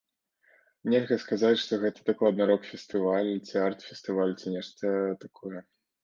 Нельга сказаць, што гэта дакладна рок-фестываль, ці арт-фестываль ці нешта такое.